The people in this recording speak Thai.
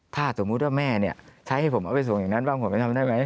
ถ้าสมมุติว่าแม่เนี่ยใช้ให้ผมเอาไปส่งอย่างนั้นบ้างผมไปทำได้ไหม